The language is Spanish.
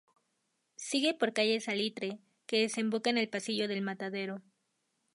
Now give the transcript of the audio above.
Sigue por calle Salitre, que desemboca en el pasillo del Matadero.